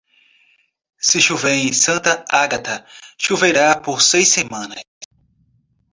Se chover em Santa Agata, choverá por seis semanas.